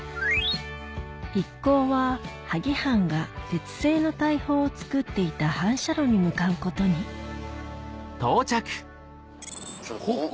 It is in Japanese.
一行は萩藩が鉄製の大砲を作っていた反射炉に向かうことにここ？